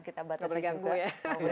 kita batas juga